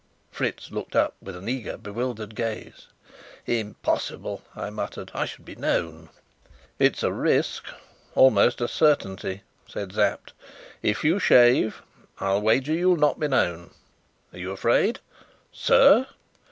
Fritz looked up with an eager, bewildered gaze. "Impossible!" I muttered. "I should be known." "It's a risk against a certainty," said Sapt. "If you shave, I'll wager you'll not be known. Are you afraid?" "Sir!"